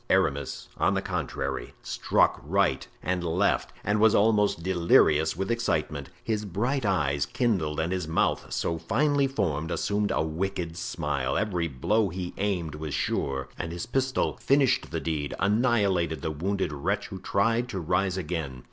Aramis, on the contrary, struck right and left and was almost delirious with excitement. His bright eyes kindled, and his mouth, so finely formed, assumed a wicked smile; every blow he aimed was sure, and his pistol finished the deed—annihilated the wounded wretch who tried to rise again.